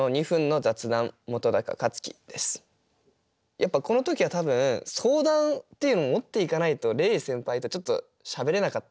やっぱこの時は多分相談っていうのを持っていかないと黎先輩とちょっとしゃべれなかった。